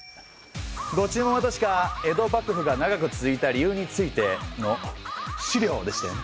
ご注文はたしか「江戸幕府が長く続いた理由について」の資料でしたよね。